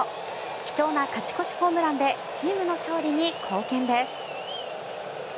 貴重な勝ち越しホームランでチームの勝利に貢献です。